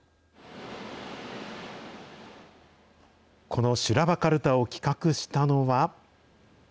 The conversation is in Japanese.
この修羅場かるたを企画したのは。